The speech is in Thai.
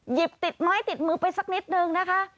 หยิบติดไม้ติดมือไปสักนิดนึงนะคะ